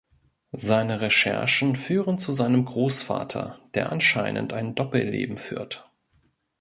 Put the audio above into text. Seine Recherchen führen zu seinem Großvater, der anscheinend ein Doppelleben führt.